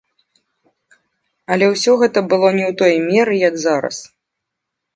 Але ўсё гэта было не ў той меры, як зараз.